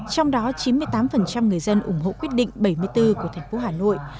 trong đó chín mươi tám người dân ủng hộ quyết định bảy mươi bốn của thành phố hà nội